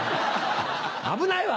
危ないわ！